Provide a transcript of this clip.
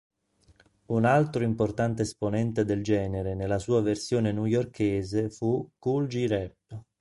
Un altro importante esponente del genere nella sua versione newyorkese fu Kool G Rap.